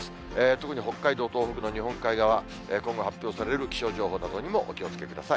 特に北海道、東北の日本海側、今後発表される気象情報などにもお気をつけください。